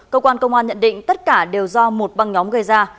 cơ quan công an nhận định tất cả đều do một băng nhóm gây ra